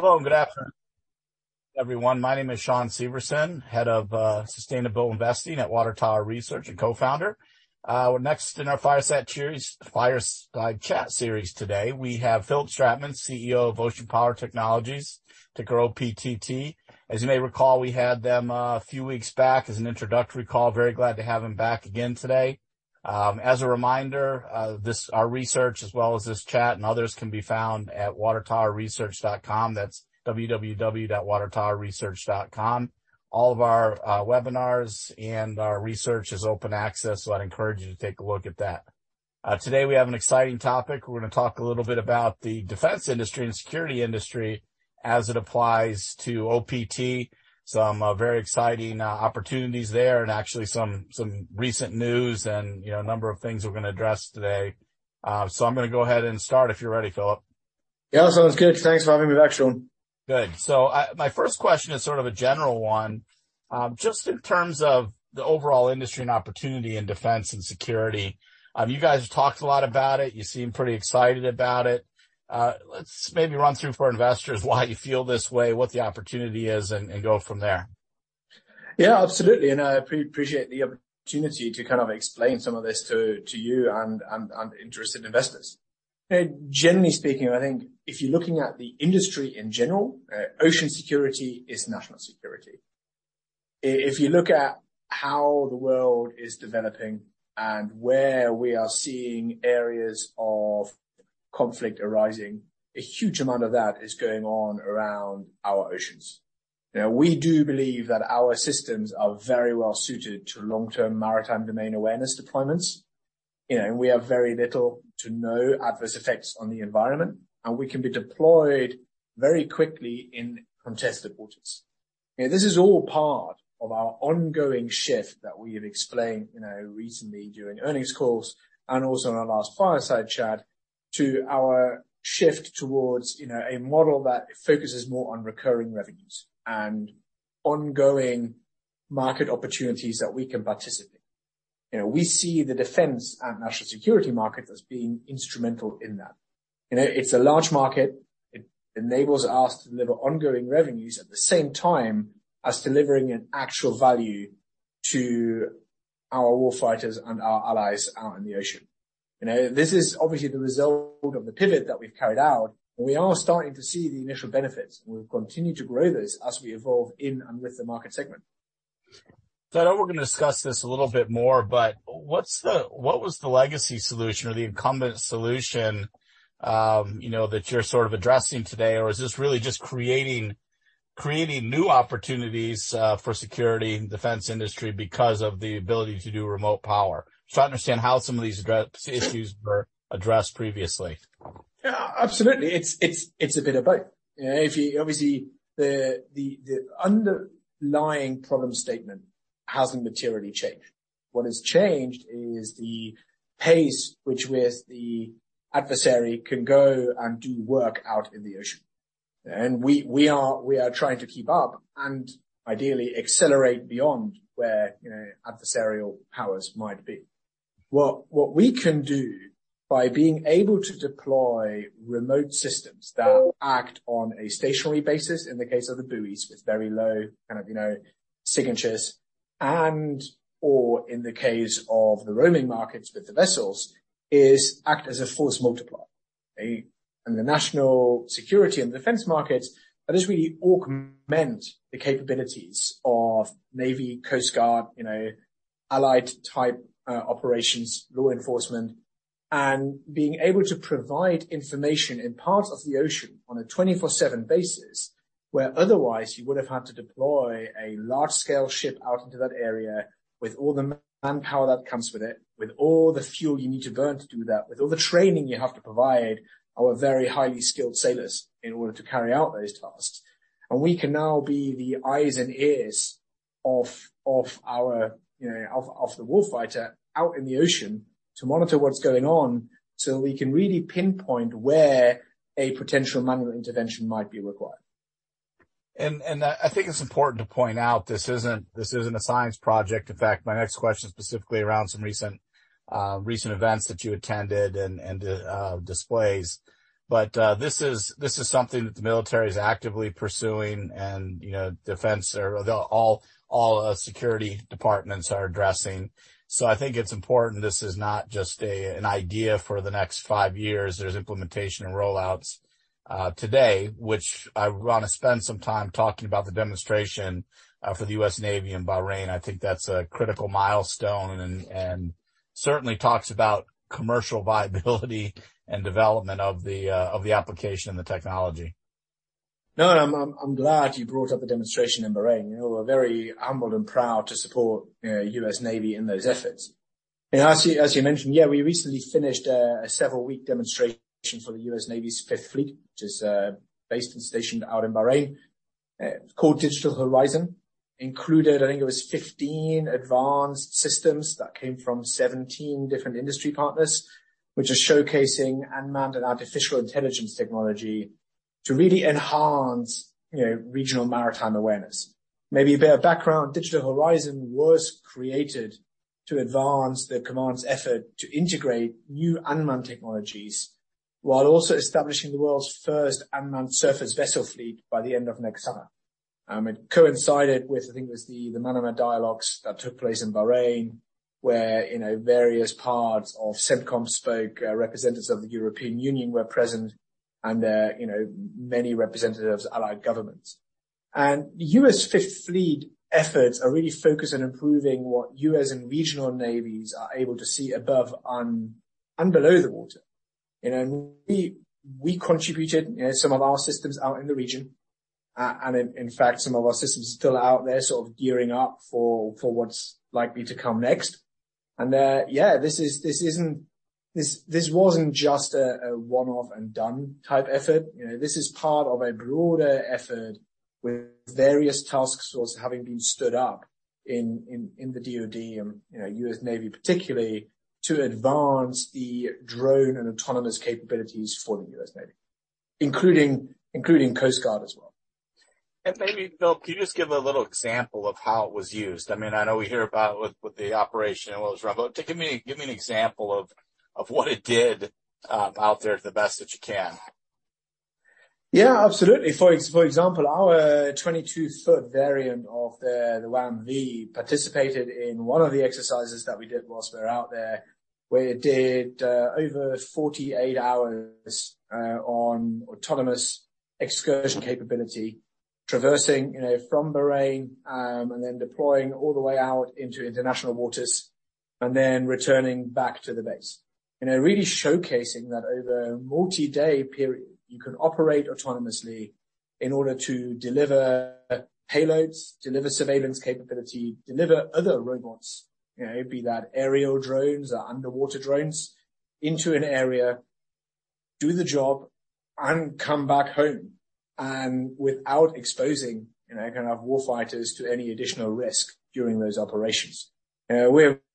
Hello, good afternoon, everyone. My name is Shawn Severson, Head of Sustainable Investing at Water Tower Research and Co-founder. Well next in our Fireside Chat Series today, we have Philipp Stratmann, CEO of Ocean Power Technologies, ticker OPTT. As you may recall, we had them a few weeks back as an introductory call. Very glad to have him back again today. As a reminder, this, our research as well as this chat and others can be found at watertowerresearch.com. That's www.watertowerresearch.com. All of our webinars and our research is open access, I'd encourage you to take a look at that. Today we have an exciting topic. We're going to talk a little bit about the defense industry and security industry as it applies to OPTT. Some very exciting opportunities there and actually some recent news and, you know, a number of things we're going to address today. I'm going to go ahead and start if you're ready, Phillip. Yeah. Sounds good. Thanks for having me back, Shawn. Good. My first question is a general one. Just in terms of the overall industry and opportunity in defense and security, you guys have talked a lot about it, you seem pretty excited about it. Let's maybe run through for investors why you feel this way, what the opportunity is, and go from there. Yeah, absolutely, and I appreciate the opportunity to explain some of this to you and interested investors. Generally speaking, I think if you're looking at the industry in general, ocean security is national security. If you look at how the world is developing and where we are seeing areas of conflict arising, a huge amount of that is going on around our oceans. We do believe that our systems are very well suited to long-term maritime domain awareness deployments. You know, we have very little to no adverse effects on the environment, and we can be deployed very quickly in contested waters. This is all part of our ongoing shift that we have explained, you know, recently during earnings calls and also in our last fireside chat to our shift towards, you know, a model that focuses more on recurring revenues and ongoing market opportunities that we can participate. You know, we see the defense and national security market as being instrumental in that. You know, it's a large market. It enables us to deliver ongoing revenues at the same time as delivering an actual value to our war fighters and our allies out in the ocean. You know, this is obviously the result of the pivot that we've carried out, and we are starting to see the initial benefits, and we'll continue to grow this as we evolve in and with the market segment. I know we're going to discuss this a little bit more, but what was the legacy solution or the incumbent solution, you know, that you're addressing today? Or is this really just creating new opportunities for security and defense industry because of the ability to do remote power? Just trying to understand how some of these issues were addressed previously. Yeah, absolutely. It's a bit of both. You know, obviously, the underlying problem statement hasn't materially changed. What has changed is the pace which with the adversary can go and do work out in the ocean. We are trying to keep up and ideally accelerate beyond where, you know, adversarial powers might be. What we can do by being able to deploy remote systems that act on a stationary basis, in the case of the buoys, with very low, you know, signatures and/or in the case of the roaming markets with the vessels, is act as a force multiplier. In the national security and defense markets, that is where you augment the capabilities of Navy, Coast Guard, you know, allied type operations, law enforcement, and being able to provide information in parts of the ocean on a 24/7 basis, where otherwise you would have had to deploy a large-scale ship out into that area with all the manpower that comes with it, with all the fuel you need to burn to do that, with all the training you have to provide our very highly skilled sailors in order to carry out those tasks. We can now be the eyes and ears of our, you know, of the war fighter out in the ocean to monitor what's going on, so we can really pinpoint where a potential manual intervention might be required. I think it's important to point out this isn't a science project. In fact, my next question is specifically around some recent recent events that you attended and displays. This is something that the military is actively pursuing and, you know, defense or all security departments are addressing. I think it's important this is not just an idea for the next five years. There's implementation and rollouts today, which I want to spend some time talking about the demonstration for the U.S. Navy in Bahrain. I think that's a critical milestone and certainly talks about commercial viability and development of the application and the technology. I'm glad you brought up the demonstration in Bahrain. You know, we're very humbled and proud to support, you know, U.S. Navy in those efforts. You know, as you mentioned, yeah, we recently finished a several week demonstration for the U.S. Navy's Fifth Fleet, which is based and stationed out in Bahrain. It's called Digital Horizon. I think it was 15 advanced systems that came from 17 different industry partners, which are showcasing unmanned and artificial intelligence technology to really enhance, you know, regional maritime awareness. A bit of background, Digital Horizon was created to advance the command's effort to integrate new unmanned technologies while also establishing the world's first unmanned surface vessel fleet by the end of next summer. It coincided with, I think it was the Manama Dialogue that took place in Bahrain, where, you know, various parts of USCENTCOM spoke, representatives of the European Union were present, you know, many representatives of allied governments. The U.S. Fifth Fleet efforts are really focused on improving what U.S. and regional navies are able to see above, on, and below the water. You know, we contributed some of our systems out in the region. In fact, some of our systems are still out there gearing up for what's likely to come next. This wasn't just a one-off and done type effort. You know, this is part of a broader effort with various task forces having been stood up in the DOD and, you know, US Navy, particularly to advance the drone and autonomous capabilities for the US Navy, including Coast Guard as well. Maybe, Phil, can you just give a little example of how it was used? I mean, I know we hear about with the operation, what was wrong. Give me an example of what it did out there, the best that you can. Yeah, absolutely. For example, our 22-foot variant of the WAM-V participated in one of the exercises that we did whilst we were out there, where it did over 48 hours on autonomous excursion capability, traversing, you know, from Bahrain, and then deploying all the way out into international waters and then returning back to the base. You know, really showcasing that over a multi-day period, you can operate autonomously in order to deliver payloads, deliver surveillance capability, deliver other robots, you know, be that aerial drones or underwater drones, into an area, do the job and come back home, and without exposing, you know, warfighters to any additional risk during those operations. We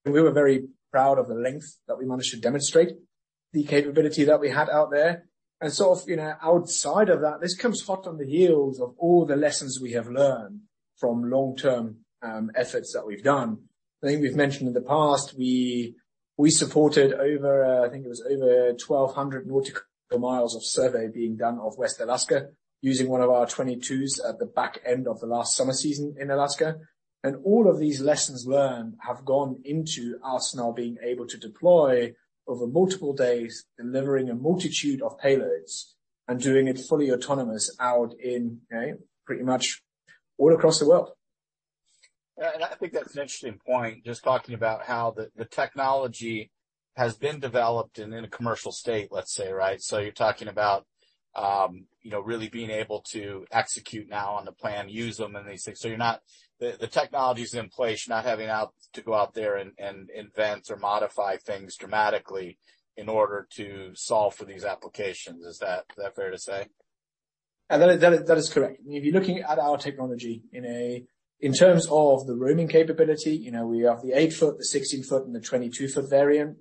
were very proud of the length that we managed to demonstrate the capability that we had out there. You know, outside of that, this comes hot on the heels of all the lessons we have learned from long-term efforts that we've done. I think we've mentioned in the past, we supported over, I think it was over 1,200 nautical miles of survey being done off West Alaska using one of our 22s at the back end of the last summer season in Alaska. All of these lessons learned have gone into us now being able to deploy over multiple days, delivering a multitude of payloads and doing it fully autonomous out in, you know, pretty much all across the world. I think that's an interesting point, just talking about how the technology has been developed in a commercial state, let's say, right? You're talking about, you know, really being able to execute now on the plan, use them and these things. You're not... The technology's in place. You're not having to go out there and invent or modify things dramatically in order to solve for these applications. Is that fair to say? That is correct. If you're looking at our technology in terms of the roaming capability, you know, we have the 8 foot, the 16 foot, and the 22 foot variant.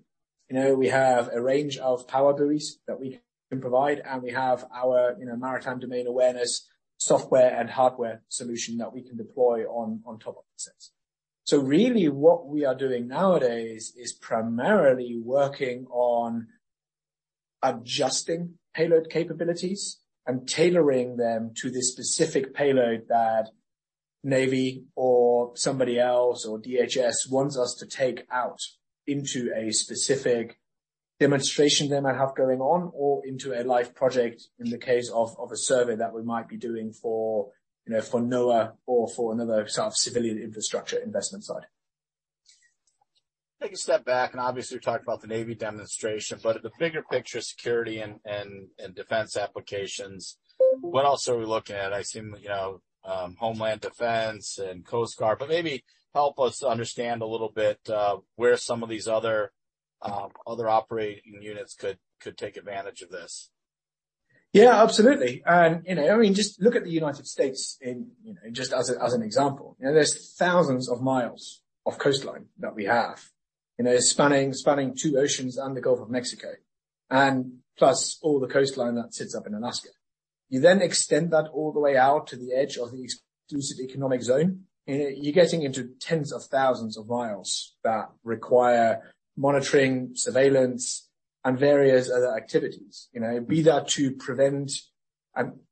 You know, we have a range of power buoys that we can provide, and we have our, you know, maritime domain awareness software and hardware solution that we can deploy on top of the systems. Really what we are doing nowadays is primarily working on adjusting payload capabilities and tailoring them to the specific payload that Navy or somebody else or DHS wants us to take out into a specific demonstration they might have going on or into a live project in the case of a survey that we might be doing for, you know, for NOAA or for another civilian infrastructure investment side. Take a step back. Obviously we've talked about the Navy demonstration. At the bigger picture, security and defense applications, what else are we looking at? I've seen, you know, Homeland Defense and Coast Guard. Maybe help us understand a little bit where some of these other operating units could take advantage of this. Yeah, absolutely. You know, I mean, just look at the United States in, you know, just as an example. You know, there's thousands of miles of coastline that we have, you know, spanning two oceans and the Gulf of Mexico, and plus all the coastline that sits up in Alaska. You then extend that all the way out to the edge of the exclusive economic zone, and you're getting into tens of thousands of miles that require monitoring, surveillance, and various other activities. You know, be that to prevent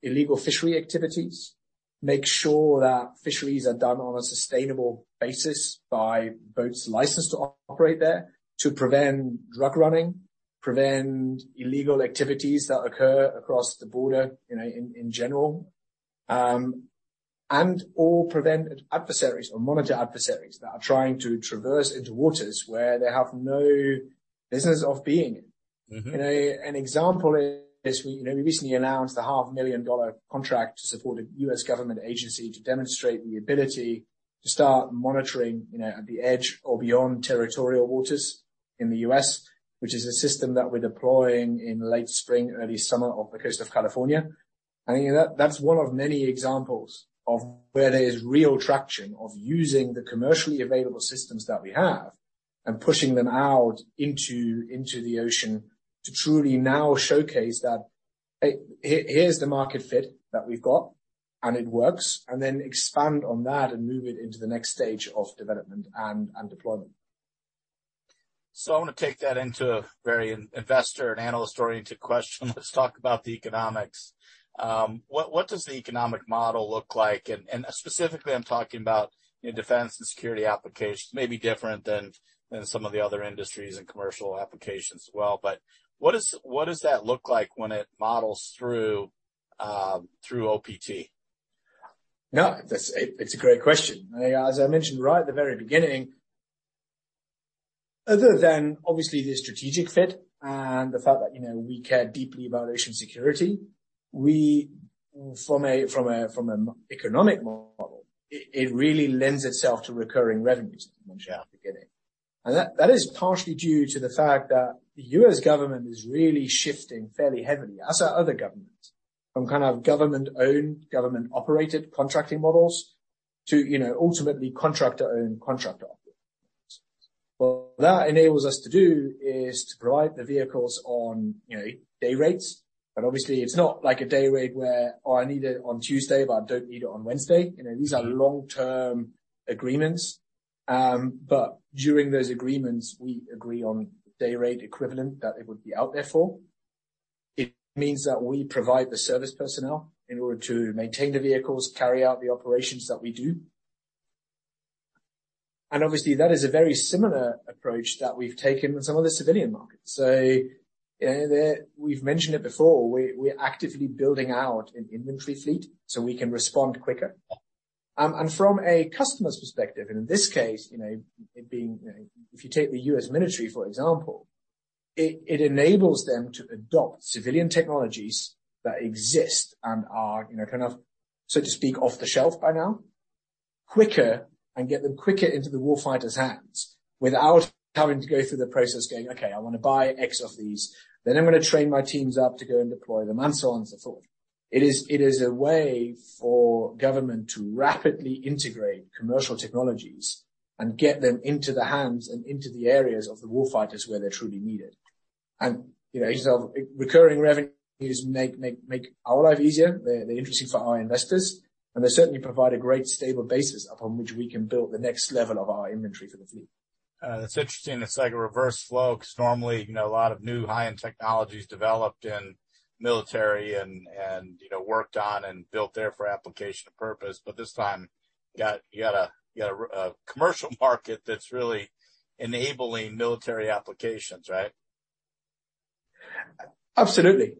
illegal fishery activities, make sure that fisheries are done on a sustainable basis by boats licensed to operate there, to prevent drug running, prevent illegal activities that occur across the border, you know, in general, and or prevent adversaries or monitor adversaries that are trying to traverse into waters where they have no business of being in. Mm-hmm. You know, an example is we, you know, we recently announced a half million dollar contract to support a U.S. government agency to demonstrate the ability to start monitoring, you know, at the edge or beyond territorial waters in the U.S., which is a system that we're deploying in late spring, early summer off the coast of California. I mean, that's one of many examples of where there's real traction of using the commercially available systems that we have and pushing them out into the ocean to truly now showcase that. Here's the market fit that we've got, and it works, and then expand on that and move it into the next stage of development and deployment. I want to take that into a very investor and analyst-oriented question. Let's talk about the economics. What does the economic model look like? Specifically, I'm talking about in defense and security applications, may be different than some of the other industries and commercial applications as well. What does that look like when it models through OPTT? No, that's a great question. As I mentioned right at the very beginning, other than obviously the strategic fit and the fact that, you know, we care deeply about ocean security, we from an economic model, it really lends itself to recurring revenues, as I mentioned at the beginning. That is partially due to the fact that the U.S. government is really shifting fairly heavily, as are other governments, from government-owned, government-operated contracting models to, you know, ultimately contractor-owned contractor models. What that enables us to do is to provide the vehicles on, you know, day rates. Obviously, it's not like a day rate where I need it on Tuesday, but I don't need it on Wednesday. You know, these are long-term agreements. During those agreements, we agree on day rate equivalent that it would be out there for. It means that we provide the service personnel in order to maintain the vehicles, carry out the operations that we do. Obviously, that is a very similar approach that we've taken with some of the civilian markets. You know, we're actively building out an inventory fleet so we can respond quicker. From a customer's perspective, and in this case, you know, it being, if you take the U.S. military for example, it enables them to adopt civilian technologies that exist and are, you know, so to speak, off the shelf by now, quicker and get them quicker into the warfighters hands without having to go through the process going, "Okay, I want to buy X of these, then I'm going to train my teams up to go and deploy them," and so on and so forth. It is a way for government to rapidly integrate commercial technologies and get them into the hands and into the areas of the warfighters where they're truly needed. You know, recurring revenues make our life easier, they're interesting for our investors, and they certainly provide a great stable basis upon which we can build the next level of our inventory for the fleet. That's interesting. It's like a reverse flow because normally, you know, a lot of new high-end technologies developed in military and, you know, worked on and built there for application and purpose. This time, you got a commercial market that's really enabling military applications, right? Absolutely.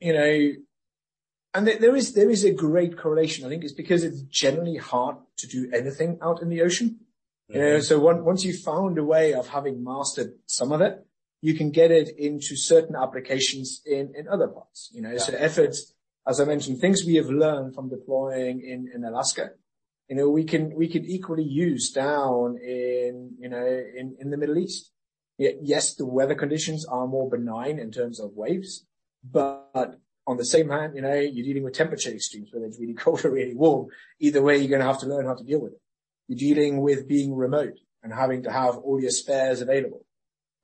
You know, there is a great correlation. I think it's because it's generally hard to do anything out in the ocean. You know, once you've found a way of having mastered some of it, you can get it into certain applications in other parts, you know? Yeah. Efforts, as I mentioned, things we have learned from deploying in Alaska, you know, we can equally use down in, you know, in the Middle East. Yes, the weather conditions are more benign in terms of waves, but on the same hand, you know, you're dealing with temperature extremes, whether it's really cold or really warm, either way, you're going to have to learn how to deal with it. You're dealing with being remote and having to have all your spares available.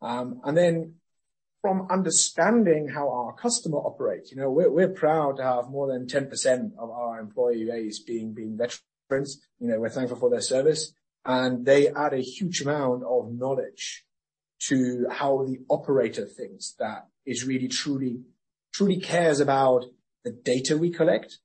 From understanding how our customer operates. You know, we're proud to have more than 10% of our employee base being veterans. You know, we're thankful for their service, and they add a huge amount of knowledge to how the operator thinks that is really truly cares about the data we collect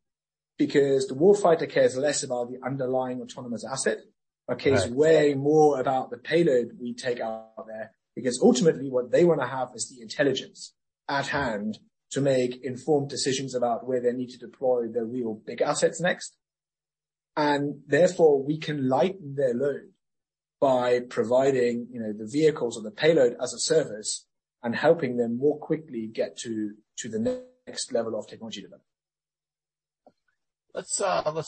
because the war fighter cares less about the underlying autonomous asset. Right. Cares way more about the payload we take out there, because ultimately what they want to have is the intelligence at hand to make informed decisions about where they need to deploy their real big assets next. Therefore, we can lighten their load by providing, you know, the vehicles or the payload as a service and helping them more quickly get to the next level of technology development. Let's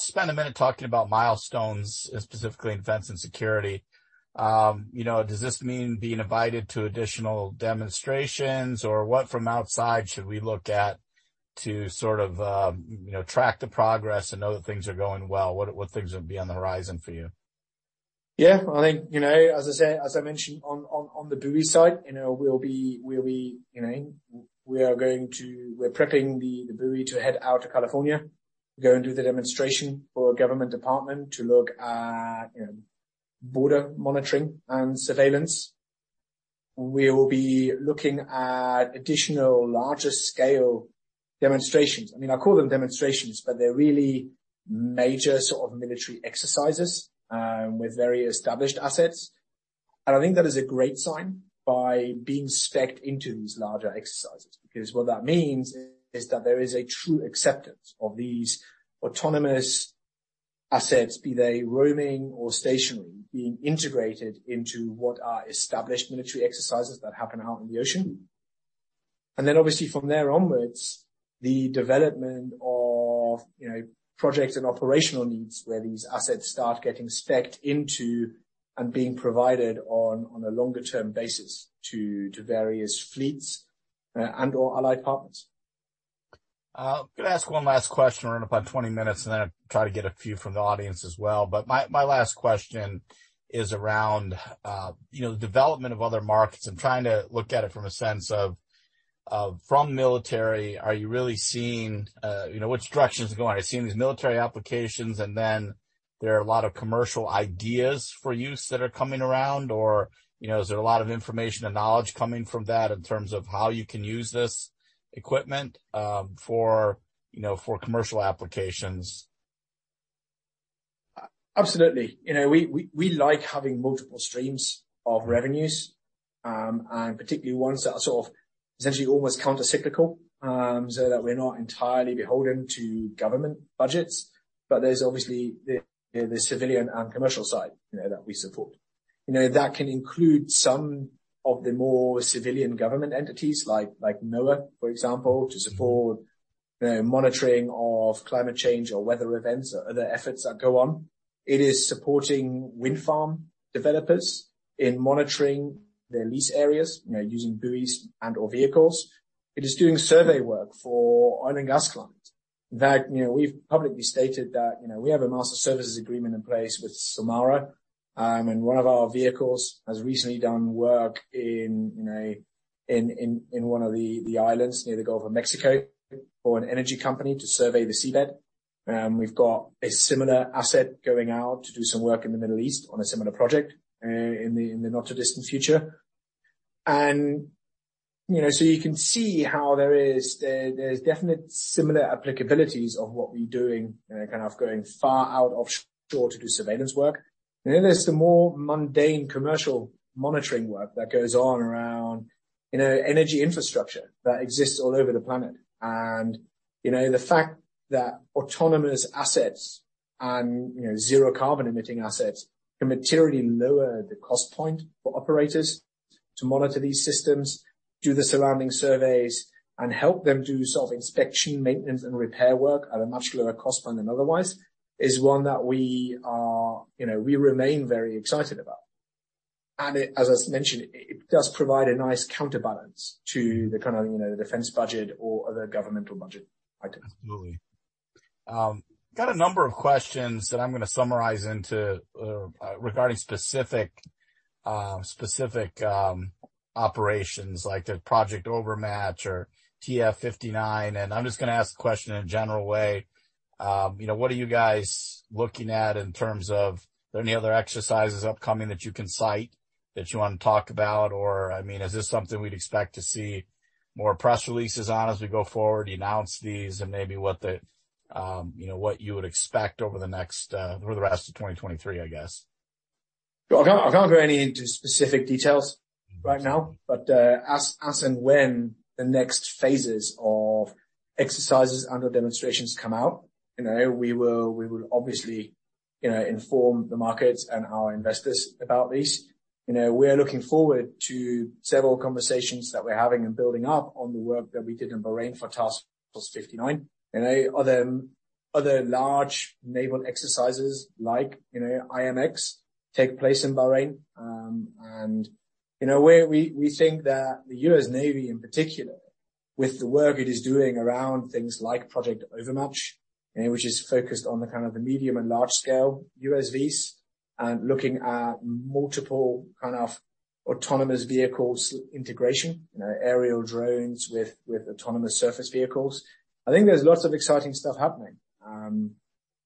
spend a minute talking about milestones, specifically in fence and security. You know, does this mean being invited to additional demonstrations or what from outside should we look at to, you know, track the progress and know that things are going well? What things will be on the horizon for you? Yeah. I think, you know, as I said, as I mentioned on the buoy side, you know, we'll be, you know, we're prepping the buoy to head out to California, go and do the demonstration for government department to look at, you know, border monitoring and surveillance. We will be looking at additional larger scale demonstrations. I mean, I call them demonstrations, but they're really major military exercises with very established assets. I think that is a great sign by being spec'd into these larger exercises, because what that means is that there is a true acceptance of these autonomous assets, be they roaming or stationary, being integrated into what are established military exercises that happen out in the ocean. Obviously from there onwards, the development of, you know, projects and operational needs where these assets start getting spec'd into and being provided on a longer term basis to various fleets, and/or allied partners. Could I ask one last question? We're in about 20 minutes, and then I'll try to get a few from the audience as well. My last question is around, you know, the development of other markets. I'm trying to look at it from a sense of from military. Are you really seeing, you know, which direction is it going? Are you seeing these military applications and then there are a lot of commercial ideas for use that are coming around or, you know, is there a lot of information and knowledge coming from that in terms of how you can use this equipment for, you know, for commercial applications? Absolutely. You know, we like having multiple streams of revenues, and particularly ones that are essentially almost counter-cyclical, so that we're not entirely beholden to government budgets. There's obviously the civilian and commercial side, you know, that we support. You know, that can include some of the more civilian government entities like NOAA, for example, to support the monitoring of climate change or weather events or other efforts that go on. It is supporting wind farm developers in monitoring their lease areas, you know, using buoys and/or vehicles. It is doing survey work for oil and gas clients. In fact, you know, we've publicly stated that, you know, we have a master services agreement in place with Sulmara, and one of our vehicles has recently done work in, you know, in one of the islands near the Gulf of Mexico for an energy company to survey the seabed. We've got a similar asset going out to do some work in the Middle East on a similar project in the not-too-distant future. You know, so you can see how there is, there's definite similar applicabilities of what we're doing, going far out offshore to do surveillance work. Then there's the more mundane commercial monitoring work that goes on around, you know, energy infrastructure that exists all over the planet. You know, the fact that autonomous assets and, you know, zero carbon emitting assets can materially lower the cost point for operators to monitor these systems, do the surrounding surveys, and help them do inspection, maintenance, and repair work at a much lower cost point than otherwise is one that we are, you know, we remain very excited about. As I mentioned, it does provide a nice counterbalance to the, you know, defense budget or other governmental budget items. Absolutely. got a number of questions that I'm going to summarize into, regarding specific, operations like the Project Overmatch or TF 59, and I'm just going to ask the question in a general way. you know, what are you guys looking at in terms of any other exercises upcoming that you can cite that you want to talk about? Or, I mean, is this something we'd expect to see more press releases on as we go forward, you announce these and maybe what the, you know, what you would expect over the next, or the rest of 2023, I guess. I can't go into any specific details right now, but as and when the next phases of exercises under demonstrations come out, you know, we will obviously, you know, inform the markets and our investors about these. You know, we are looking forward to several conversations that we're having and building up on the work that we did in Bahrain for Task 59. You know, other large naval exercises like, you know, IMX take place in Bahrain, and you know, we think that the US Navy in particular, with the work it is doing around things like Project Overmatch, which is focused on the the medium and large scale USVs and looking at multiple autonomous vehicles integration, you know, aerial drones with autonomous surface vehicles. I think there's lots of exciting stuff happening.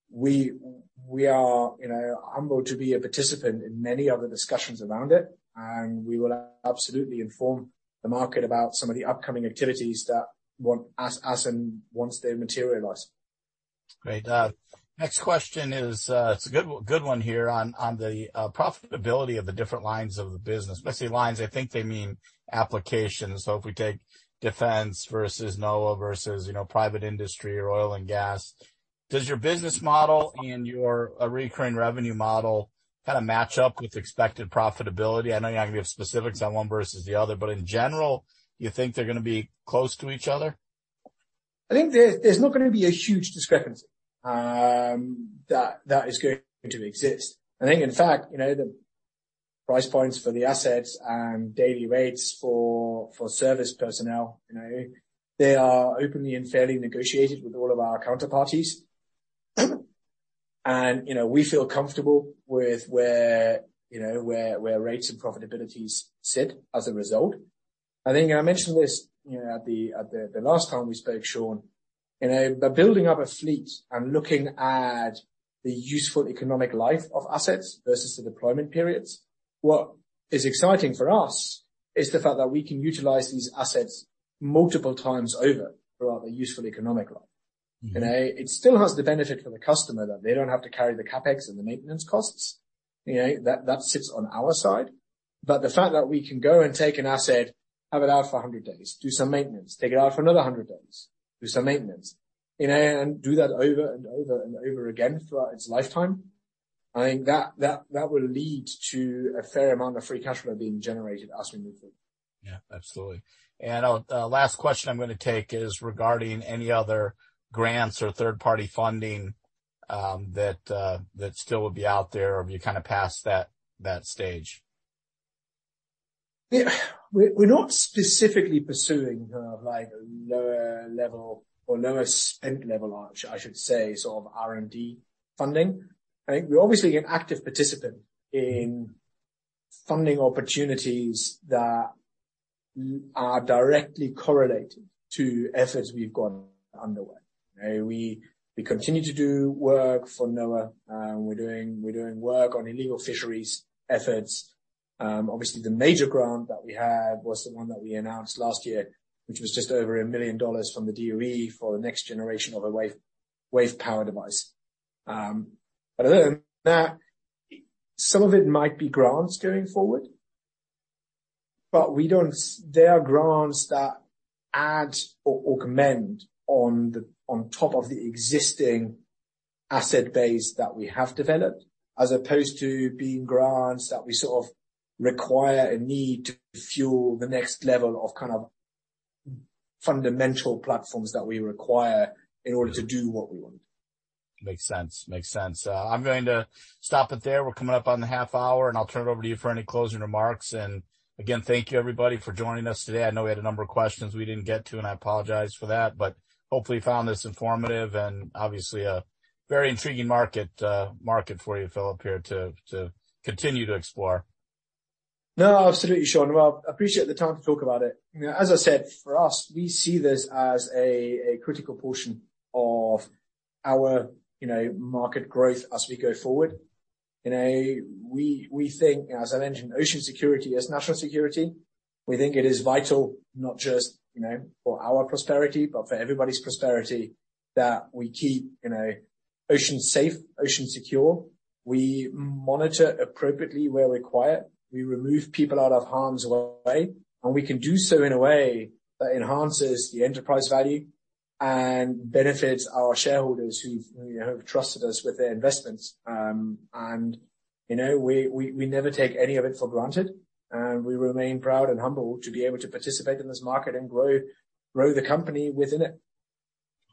We are, you know, humbled to be a participant in many of the discussions around it, and we will absolutely inform the market about some of the upcoming activities once they materialize. Great. Next question is, it's a good one here on the profitability of the different lines of the business, mostly lines, I think they mean applications. If we take defense versus NOAA versus, you know, private industry or oil and gas, does your business model and your recurring revenue model match up with expected profitability? I know you're not going to give specifics on one versus the other, but in general, you think they're going to be close to each other? I think there's not going to be a huge discrepancy that is going to exist. I think in fact, you know, the price points for the assets and daily rates for service personnel, you know, they are openly and fairly negotiated with all of our counterparties. You know, we feel comfortable with where rates and profitabilities sit as a result. I think I mentioned this, you know, at the last time we spoke, Shawn. You know, by building up a fleet and looking at the useful economic life of assets versus the deployment periods, what is exciting for us is the fact that we can utilize these assets multiple times over throughout their useful economic life. You know, it still has the benefit for the customer that they don't have to carry the CapEx and the maintenance costs. You know, that sits on our side. The fact that we can go and take an asset, have it out for 100 days, do some maintenance, take it out for another 100 days, do some maintenance, you know, and do that over and over and over again throughout its lifetime, I think that will lead to a fair amount of free cash flow being generated as we move forward. Yeah, absolutely. Last question I'm going to take is regarding any other grants or third-party funding that still would be out there, or have you passed that stage? Yeah. We're not specifically pursuing like a lower level or lower spend level, I should say, R&D funding. Right? We're obviously an active participant in funding opportunities that are directly correlated to efforts we've got underway. You know, we continue to do work for NOAA, we're doing work on illegal fisheries efforts. Obviously the major grant that we had was the one that we announced last year, which was just over $1 million from the DOE for the next generation of a wave power device. Other than that, some of it might be grants going forward. They are grants that add or augment on top of the existing asset base that we have developed, as opposed to being grants that we require a need to fuel the next level of fundamental platforms that we require in order to do what we want. Makes sense. I'm going to stop it there. We're coming up on the half hour, and I'll turn it over to you for any closing remarks. Again, thank you everybody for joining us today. I know we had a number of questions we didn't get to, and I apologize for that, but hopefully you found this informative and obviously a very intriguing market for you, Philip, here to continue to explore. Absolutely, Shawn. Appreciate the time to talk about it. You know, as I said, for us, we see this as a critical portion of our, you know, market growth as we go forward. You know, we think as an engine, ocean security is national security. We think it is vital not just, you know, for our prosperity, but for everybody's prosperity, that we keep, you know, oceans safe, oceans secure. We monitor appropriately where required. We remove people out of harm's way. We can do so in a way that enhances the enterprise value and benefits our shareholders who, you know, have trusted us with their investments. You know, we never take any of it for granted, and we remain proud and humbled to be able to participate in this market and grow the company within it.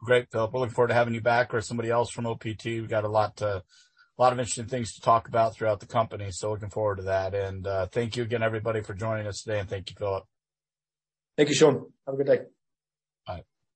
Great, Philip. We look forward to having you back or somebody else from OPTT. We got a lot of interesting things to talk about throughout the company. Looking forward to that. Thank you again everybody for joining us today, and thank you, Philip. Thank you, Shawn. Have a good day. Bye.